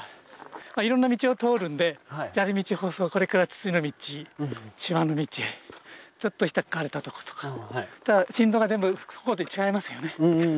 いろんな道を通るんで砂利道舗装これから土の道芝の道ちょっと下枯れたとことか振動が全部個々で違いますよね。